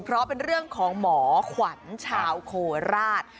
เพราะเป็นเรื่องของหมอขวัญชาวโคราช